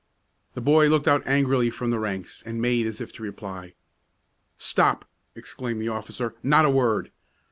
The boy looked out angrily from the ranks, and made as if to reply. "Stop!" exclaimed the officer. "Not a word!